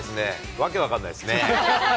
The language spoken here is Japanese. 訳分かんないですね。